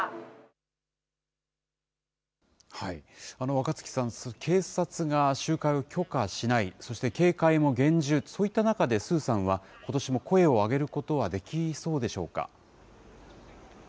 若槻さん、警察が集会を許可しない、そして警戒も厳重、そういった中で鄒さんは、ことしも声を上げることはできそうでしょうか。